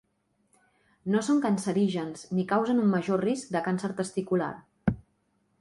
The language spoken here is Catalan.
No són cancerígens ni causen un major risc de càncer testicular.